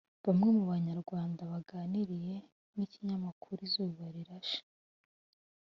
Bamwe mu banyarwanda baganiriye n’ikinyamakuru Izuba Rirashe